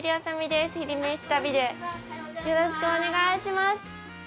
よろしくお願いします。